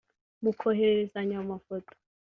mukohererezanya amafoto